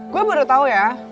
gue baru tau ya